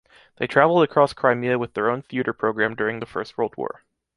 They travelled across Crimea with their own theater program during the First World War.